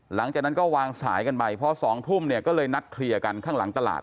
หลังจากนั้นก็วางสายกันไปพอ๒ทุ่มเนี่ยก็เลยนัดเคลียร์กันข้างหลังตลาด